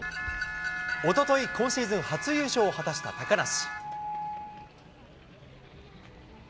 おととい、今シーズン初優勝を果たした高梨。